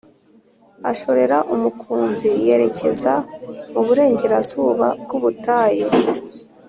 Ashorera umukumbi yerekeza mu burengerazuba bw’ubutayu